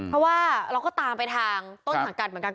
เพราะว่าเราก็ตามไปทางต้นสังกัดเหมือนกัน